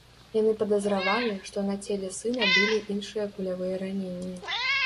Яны падазравалі, што на целе сына былі іншыя кулявыя раненні.